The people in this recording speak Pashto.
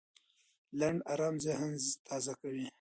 لنډ ارام ذهن تازه کوي.